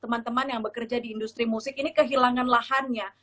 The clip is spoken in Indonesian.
teman teman yang bekerja di industri musik ini kehilangan lahannya